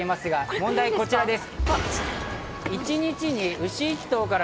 問題はこちらです。